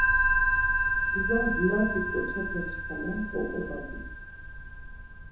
Gzas Lazi ǩoçepe şkala oǩobagit.